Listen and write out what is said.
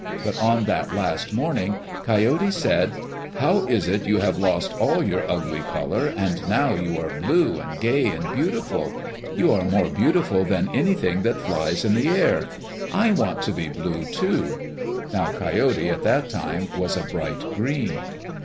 But on that last morning Coyote said, "How is it you have lost all your ugly color, and now you are blue and gay and beautiful? You are more beautiful than anything that flies in the air. I want to be blue, too." Now Coyote at that time was a bright green.